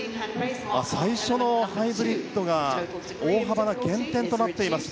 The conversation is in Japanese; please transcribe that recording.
最初のハイブリッドが大幅な減点となっています。